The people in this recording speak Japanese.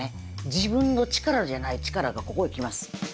自分の力じゃない力がここへ来ます。